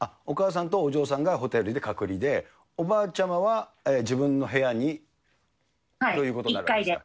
お母さんとお嬢さんがホテルで隔離で、おばあちゃまは、自分の部屋にということになる？